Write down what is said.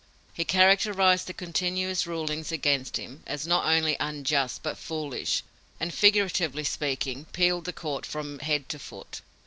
He characterized the continuous rulings against him as not only unjust but foolish, and, figuratively speaking, peeled the court from head to foot....